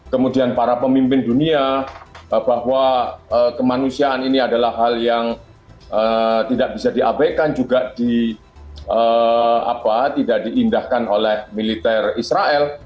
kemudian para pemimpin dunia bahwa kemanusiaan ini adalah hal yang tidak bisa diabaikan juga tidak diindahkan oleh militer israel